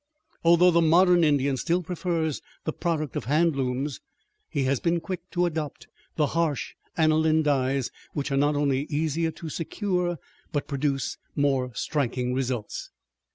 Although the modern Indian still prefers the product of hand looms, he has been quick to adopt the harsh aniline dyes, which are not only easier to secure, but produce more striking results.